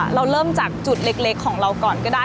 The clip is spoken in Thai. เราเริ่มจากจุดเล็กของเราก่อนก็ได้